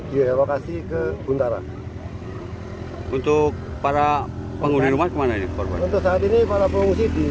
direlokasi ke buntara untuk para pengguna rumah untuk saat ini para pengungsi di